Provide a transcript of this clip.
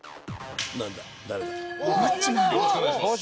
よろしくお願いします。